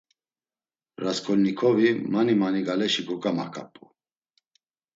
Rasǩolnikovi mani mani galeşi kogamaǩap̌u.